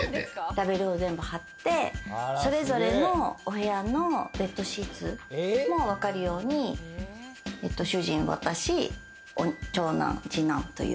ラベルを全部貼って、それぞれのお部屋のベッドシーツも分かるように主人、私、長男、二男という。